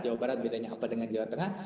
jawa barat bedanya apa dengan jawa tengah